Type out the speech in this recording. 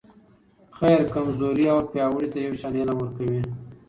خير کمزورې او پیاوړي ته یو شان علم ورکوي.